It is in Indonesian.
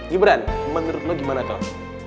gibran menurut lo gimana kang